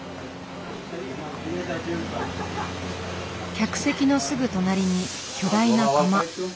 客席のすぐ隣に巨大な釜。